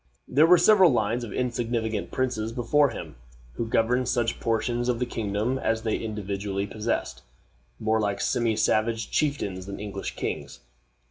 There were several lines of insignificant princes before him, who governed such portions of the kingdom as they individually possessed, more like semi savage chieftains than English kings.